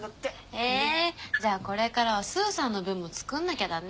へえじゃあこれからはスーさんの分も作んなきゃだね。